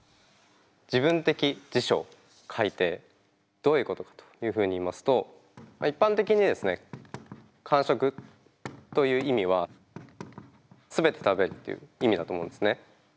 どういうことかというふうに言いますと一般的にですね完食という意味は全て食べるという意味だと思うんですね。